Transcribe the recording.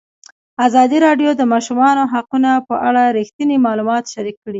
ازادي راډیو د د ماشومانو حقونه په اړه رښتیني معلومات شریک کړي.